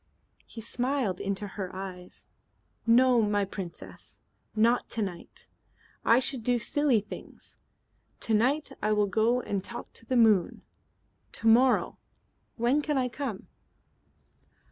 He smiled into her eyes. "No, my Princess, not to night. I should do silly things. To night I will go and talk to the moon. To morrow, when can I come?"